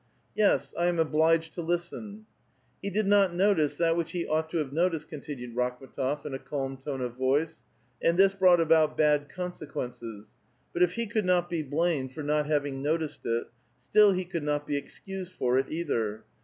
" Yes ; I am obliged to listen." *' He did not notice that which he ought to have noticed," continued Rakhm^tof, in a calm tone of voice, ^^ and this l>rought about bad consequences. But if he could not be l>lamed for not having noticed it, still he could not be excused for it either.